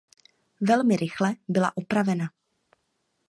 Velmi rychle byla opravena.